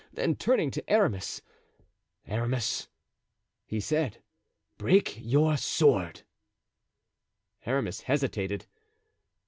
Then turning to Aramis: "Aramis," he said, "break your sword." Aramis hesitated.